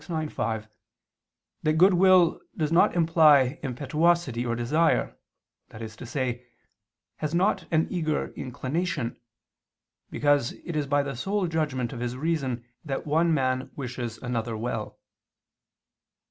ix, 5) that goodwill does not imply impetuosity or desire, that is to say, has not an eager inclination, because it is by the sole judgment of his reason that one man wishes another well.